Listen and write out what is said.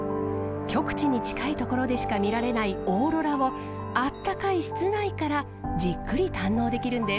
極地に近いところでしか見られないオーロラをあったかい室内からじっくり堪能できるんです。